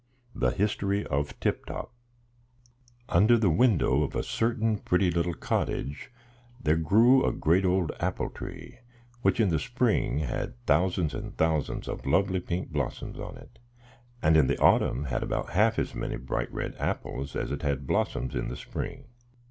THE HISTORY OF TIP TOP. UNDER the window of a certain pretty little cottage there grew a great old apple tree, which in the spring had thousands and thousands of lovely pink blossoms on it, and in the autumn had about half as many bright red apples as it had blossoms in the spring.